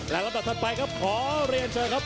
และลำดับถัดไปครับขอเรียนเชิญครับ